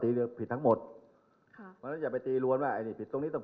ตีผิดทั้งหมดค่ะมันจะไปตีรวนว่าไอนี่ตรงนี้ต้อง